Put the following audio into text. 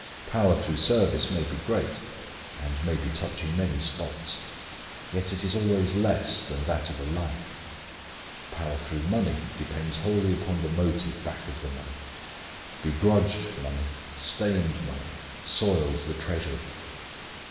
Power through service may be great, and may be touching many spots, yet it is always less than that of a life. Power through money depends wholly upon the motive back of the money. Begrudged money, stained money, soils the treasury.